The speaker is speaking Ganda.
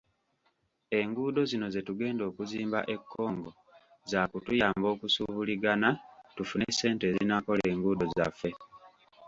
Enguudo zino ze tugenda okuzimba e Congo zaakutuyamba kusuubuligana tufune ssente ezinaakola enguudo zaffe.